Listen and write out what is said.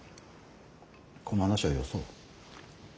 この話はよそう。